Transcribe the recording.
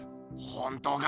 本当か？